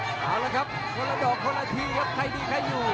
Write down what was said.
เอาละครับคนละดอกคนละทีครับใครดีใครอยู่